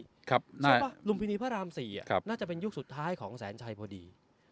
คิดว่าลุมพินีพระราม๔น่าจะเป็นยุคสุดท้ายของแสนชัยพอดี